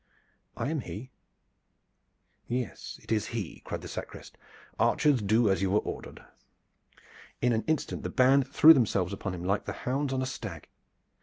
"I am he." "Yes, it is he!" cried the sacrist. "Archers, do as you were ordered!" In an instant the band threw themselves upon him like the hounds on a stag.